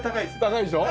高いでしょ？